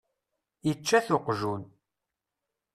Ičča-t uqjun.